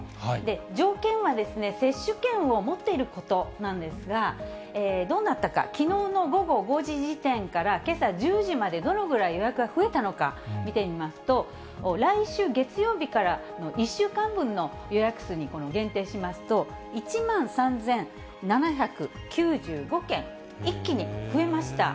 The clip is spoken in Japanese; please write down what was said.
条件は接種券を持っていることなんですが、どうなったか、きのうの午後５時時点からけさ１０時までどのぐらい予約が増えたのか見てみますと、来週月曜日から１週間分の予約数に限定しますと、１万３７９５件一気に増えました。